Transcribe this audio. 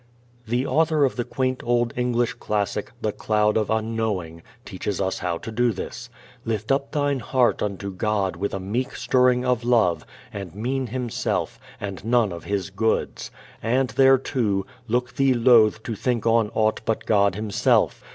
The author of the quaint old English classic, The Cloud of Unknowing, teaches us how to do this. "Lift up thine heart unto God with a meek stirring of love; and mean Himself, and none of His goods. And thereto, look thee loath to think on aught but God Himself.